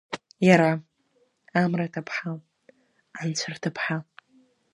Иара, амра аҭыԥҳа, анцәа рҭыԥҳа.